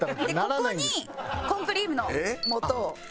ここにコーンクリームの素を。